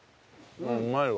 うまいわ。